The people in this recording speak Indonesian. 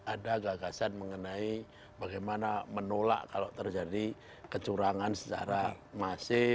ada gagasan mengenai bagaimana menolak kalau terjadi kecurangan secara masif